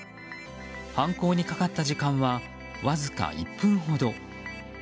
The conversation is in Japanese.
犯行にかかった時間はわずか１分ほど。